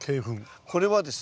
これはですね